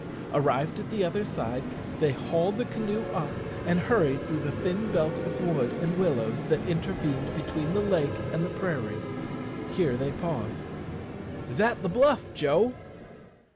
Arrived at the other side, they hauled the canoe up and hurried through the thin belt of wood and willows that intervened between the lake and the prairie. Here they paused. "Is that the bluff, Joe?"